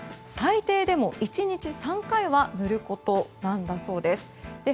最低でも１日３回は塗ることなんだそうです。